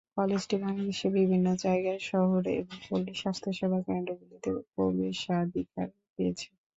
কলেজটি বাংলাদেশের বিভিন্ন জায়গায় শহুরে এবং পল্লী স্বাস্থ্যসেবা কেন্দ্রগুলিতে প্রবেশাধিকার পেয়েছে।